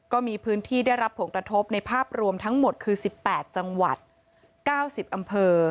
ก็มีพื้นที่ได้รับผลกระทบในภาพรวมทั้งหมดคือ๑๘จังหวัด๙๐อำเภอ